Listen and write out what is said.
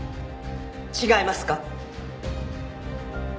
違いますか？